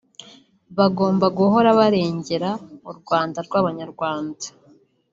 Bagomba guhora barengera u Rwanda rw’ abanyarwanda